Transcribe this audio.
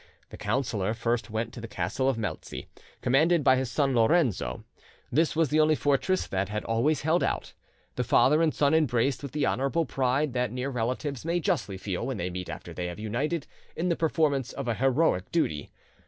The counsellor first went to the castle of Melzi, commanded by his son Lorenzo: this was the only fortress that had always held out. The father and son embraced with the honourable pride that near relatives may justly feel when they meet after they have united in the performance of a heroic duty.